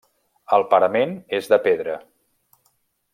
El parament és de pedra.